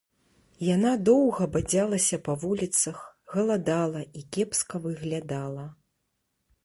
Яна доўга бадзялася па вуліцах, галадала і кепска выглядала.